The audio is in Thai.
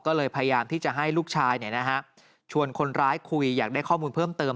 ก็เลยพยายามที่จะให้ลูกชายชวนคนร้ายคุยอยากได้ข้อมูลเพิ่มเติม